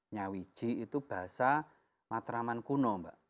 nyawiji itu bahasa matraman kuno mbak